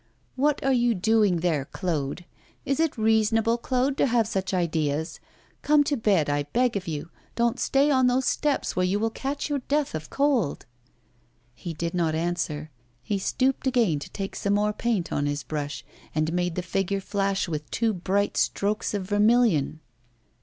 'What are you doing there, Claude? Is it reasonable, Claude, to have such ideas? Come to bed, I beg of you, don't stay on those steps where you will catch your death of cold!' He did not answer; he stooped again to take some more paint on his brush, and made the figure flash with two bright strokes of vermilion.